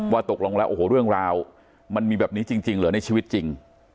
ตกลงแล้วโอ้โหเรื่องราวมันมีแบบนี้จริงเหรอในชีวิตจริง